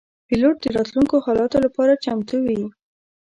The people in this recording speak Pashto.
پیلوټ د راتلونکو حالاتو لپاره چمتو وي.